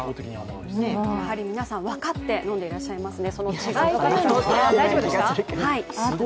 やはり皆さん、分かって飲んでいらっしゃいますね。